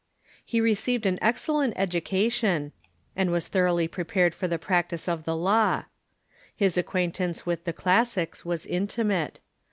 He received an excellent education, and was thoroughly prepared for the practice of the law. His acquaintance with the classics was intimate.